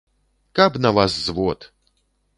Каб на вас звод!